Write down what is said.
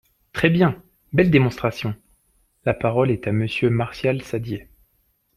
Très bien ! Belle démonstration ! La parole est à Monsieur Martial Saddier.